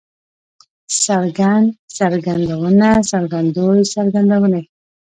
څرګند، څرګندونه، څرګندوی، څرګندونې